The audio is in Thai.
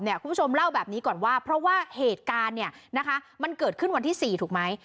ล่าวงานทำแบบนี้ก่อนว่าเพราะว่าเหตุการณ์เกิดขึ้นวันที่๔